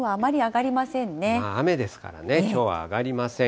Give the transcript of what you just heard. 雨ですからね、きょうは上がりません。